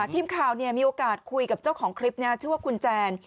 ทีมข่าวมีโอกาสคุยกับเจ้าของคลิปชื่อว่าคุณแจน